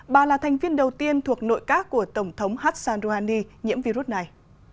bà là thành viên đầu tiên thuộc nội các của tổng thống hassan rouhani nhiễm virus này